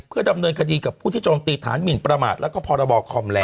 เพื่อดำเนินคดีกับผู้ที่โจมตีฐานหมินประมาทแล้วก็พรบคอมแล้ว